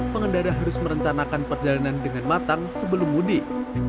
pengendara harus merencanakan perjalanan dengan matang sebelum mudik